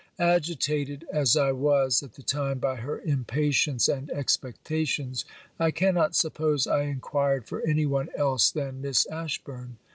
Agitated as I was at the time by her impatience and expectations, I cannot suppose I enquired for any one else than Miss Ashburn.